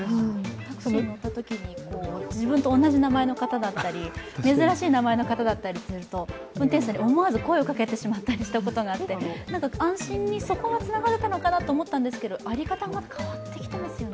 タクシーに乗ったときに、自分と同じ名前の方とか珍しい名前の方だったりすると、運転手さんに思わず声をかけてしまったりして安心はそこにつながるのかなと思ったりしたんですが在り方が変わってきてますよね。